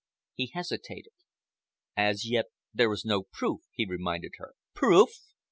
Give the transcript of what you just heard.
He hesitated. "As yet there is no proof," he reminded her. "Proof!"